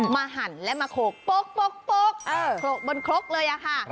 มาหั่นและมาโขลกโป๊กโบนโคลกเลยอะค่ะ